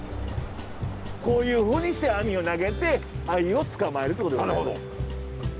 こういうふうにして網を投げてアユを捕まえるということでございます。